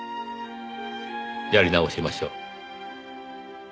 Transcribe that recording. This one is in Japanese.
やり直しましょう。